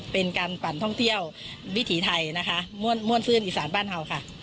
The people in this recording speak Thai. เป็นการปั่นท่องเที่ยววิถีไทยนะคะม่วนซื่นอีสานบ้านเห่าค่ะ